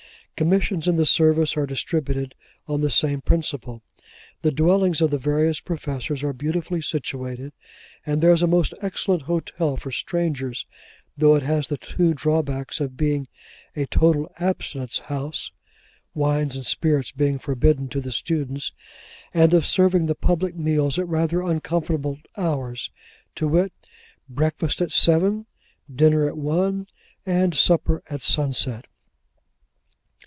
Commissions in the service are distributed on the same principle. The dwellings of the various Professors are beautifully situated; and there is a most excellent hotel for strangers, though it has the two drawbacks of being a total abstinence house (wines and spirits being forbidden to the students), and of serving the public meals at rather uncomfortable hours: to wit, breakfast at seven, dinner at one, and supper at sunset.